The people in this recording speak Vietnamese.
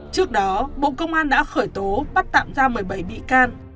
trước đó bộ công an đã khởi tố bắt tạm ra một mươi bảy bị can